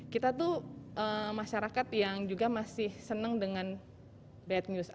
kita tuh masyarakat yang juga masih senang dengan bad news